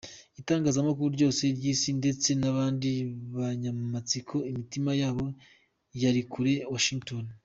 Itangazamakuru ryose ry’isi ndetse n’abandi banyamatsiko imitima yabo yari kuri Washington.